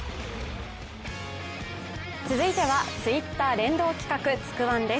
続いてはＴｗｉｔｔｅｒ連動企画、「つくワン」です。